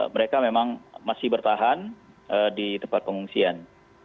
mereka memang masih bertahan di tempat pengungsian